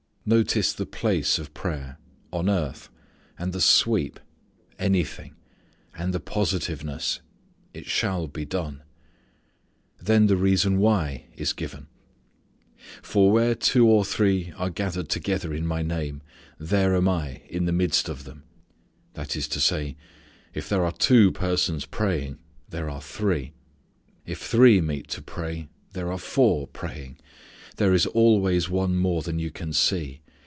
Notice the place of prayer "on earth"; and the sweep "anything"; and the positiveness "it shall be done." Then the reason why is given. "For where two or three are gathered together in My name, there am I in the midst of them." That is to say, if there are two persons praying, there are three. If three meet to pray, there are four praying. There is always one more than you can see.